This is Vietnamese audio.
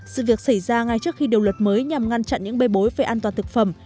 sự việc xảy ra ngay trước khi điều luật mới nhằm ngăn chặn những bê bối về an toàn thực phẩm